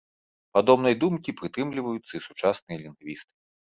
Падобнай думкі прытрымліваюцца і сучасныя лінгвісты.